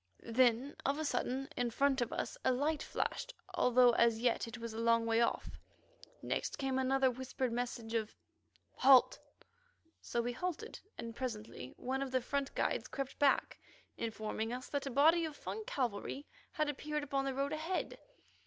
Then of a sudden, in front of us a light flashed, although as yet it was a long way off. Next came another whispered message of "Halt!" So we halted, and presently one of the front guides crept back, informing us that a body of Fung cavalry had appeared upon the road ahead.